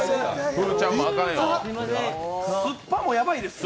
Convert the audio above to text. フーちゃんもあかんよ。